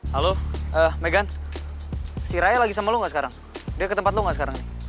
halo megan si raya lagi sama lo gak sekarang dia ke tempat lo gak sekarang nih